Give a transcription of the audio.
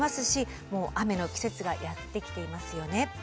もう雨の季節がやって来ていますよね。